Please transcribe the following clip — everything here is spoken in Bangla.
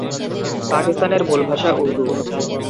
পাকিস্তানের মূল ভাষা উর্দু।